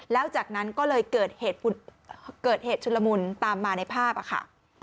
แล้วจากนั้นก็เลยเกิดเหตุชุลมุนตามมาในภาพค่ะ